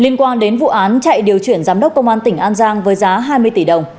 liên quan đến vụ án chạy điều chuyển giám đốc công an tỉnh an giang với giá hai mươi tỷ đồng